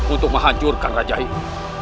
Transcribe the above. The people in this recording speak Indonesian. untuk menghancurkan raja itu